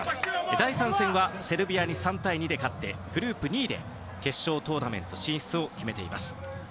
第３戦はセルビアに３対２で勝ってグループ２位で決勝トーナメント進出を決めています。